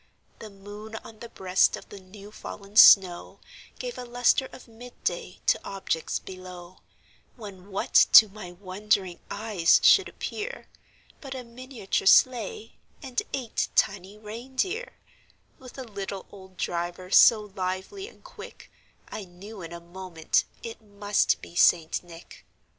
The moon, on the breast of the new fallen snow, Gave a lustre of mid day to objects below; When, what to my wondering eyes should appear, But a miniature sleigh, and eight tiny rein deer, With a little old driver, so lively and quick, I knew in a moment it must be St. Nick.